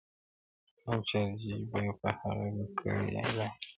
او جارچي به په هغه گړي اعلان كړ،